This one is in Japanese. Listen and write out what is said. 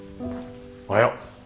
おはよう。